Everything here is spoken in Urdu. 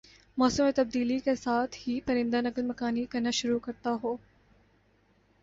موسم میں تبدیلی کا ساتھ ہی پرندہ نقل مکانی کرنا شروع کرنا ہون